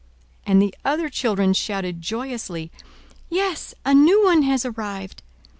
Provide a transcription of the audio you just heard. and the other children shouted joyously, "Yes, a new one has arrived!"